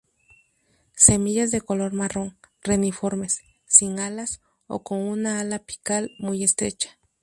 Semillas de color marrón, reniformes, sin alas o con un ala apical muy estrecha.